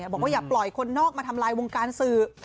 บอกว่าอย่าปล่อยคนนอกมาทำลายวงการสื่อ